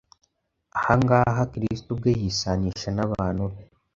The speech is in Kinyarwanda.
Ahangaha Kristo ubwe yisanisha n’abantu be.